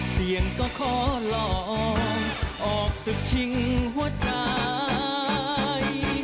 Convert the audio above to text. เสียงก็ขอลองออกจากชิงหัวใจ